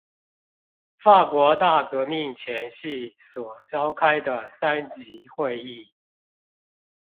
法國大革命前夕所召開的三級會議